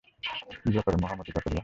কি ব্যাপার মহামতি জাকারিয়া?